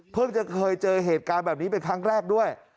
จะเคยเจอเหตุการณ์แบบนี้เป็นครั้งแรกด้วย